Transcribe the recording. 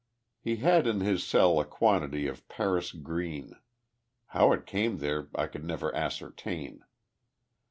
He had in his cell a quantity of Paris green. How it came there I could never ascertain.